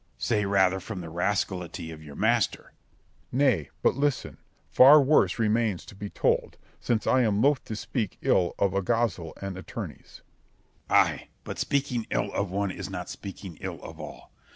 Scip. Say rather from the rascality of your master. Berg. Nay but listen, for worse remains to be told, since I am loth to speak ill of alguazil and attorneys. Scip. Ay, but speaking ill of one is not speaking ill of all.